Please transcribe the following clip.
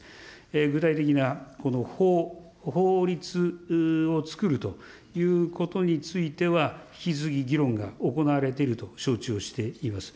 具体的なこの法律を作るということについては、引き続き議論が行われていると承知をしております。